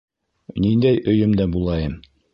— Ниндәй өйөмдә булайым.